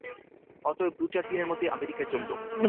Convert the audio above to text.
অতএব দু-চার দিনের মধ্যেই আমেরিকায় চললুম।